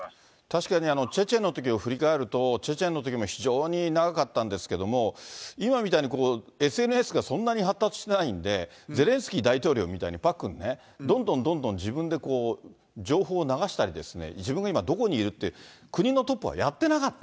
確かにチェチェンのときを振り返ると、チェチェンのときも非常に長かったんですけども、今みたいにＳＮＳがそんなに発達してないんで、ゼレンスキー大統領みたいに、パックンね、どんどんどんどん自分で情報を流したりですね、自分が今どこにいるって、そうなんですね。